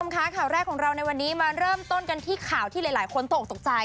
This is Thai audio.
ค่ะข่าวแรกของเราในวันนี้มาเริ่มต้นกันที่ข่าวที่หลายคนตกตกใจ